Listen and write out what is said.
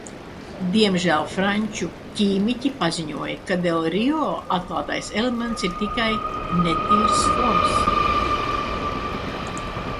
"Diemžēl franču ķīmiķi paziņoja, ka del Rio atklātais elements ir tikai "netīrs" hroms."